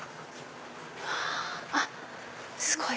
あっすごい！